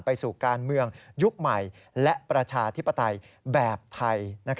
สู่การเมืองยุคใหม่และประชาธิปไตยแบบไทย